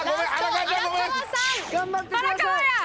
荒川や！